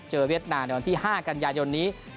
เวียดนามในวันที่๕กันยายนนี้